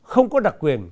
không có đặc quyền